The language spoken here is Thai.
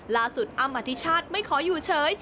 ล่าสุดอมริชาติไม่ขอยู่เฉย